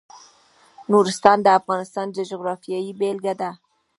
نورستان د افغانستان د جغرافیې بېلګه ده.